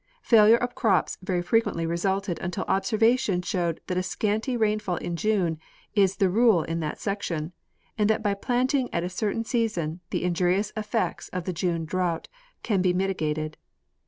Failure of crops very frequently resulted until observation showed that a scanty rain fall in June is the rule in that section, and that by planting at a certain season the injurious effects of the June drought could be mitigated.